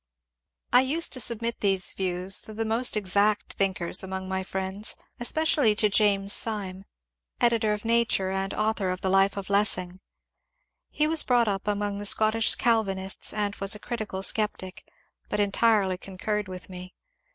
I used to submit these views to the most exact thinkers 326 MONCUKE DANIEL CX)NWAY among my friends, and especially to James Sime, editor of *^ Nature" and author of the ^^Life of Lessing." He was brought up among the Scotch Calvinists and was a critical sceptic, but entirely concurred with me.